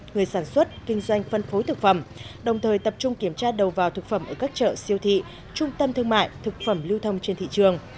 người sản xuất kinh doanh phân phối thực phẩm đồng thời tập trung kiểm tra đầu vào thực phẩm ở các chợ siêu thị trung tâm thương mại thực phẩm lưu thông trên thị trường